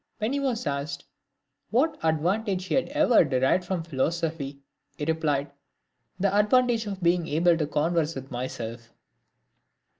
When he was asked what advantage he had ever derived from philo sophy, he replied, " The advantage of being able to converse with myself."